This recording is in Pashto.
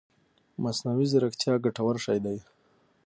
مصنوعي ځيرکتيا ګټور شی دی